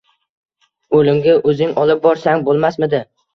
O‘limga o‘zing olib borsang bo‘lmasmidi?!